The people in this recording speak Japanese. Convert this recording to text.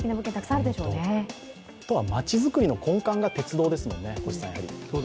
あとはまちづくりの根幹が鉄道ですもんね？